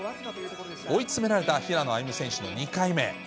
追い詰められた平野歩夢選手の２回目。